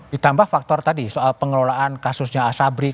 ditambah faktor tadi soal pengelolaan kasusnya asabri